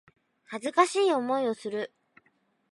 恥ずかしい思いをする